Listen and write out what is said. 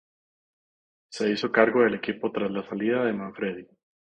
Se hizo cargo del equipo tras la salida de Manfredi.